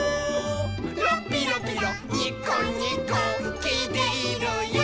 「ラッピラピラニコニコきいているよ」